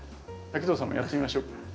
滝藤さんもやってみましょうか。